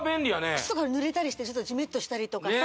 靴とか濡れたりしてちょっとじめっとしたりとかさ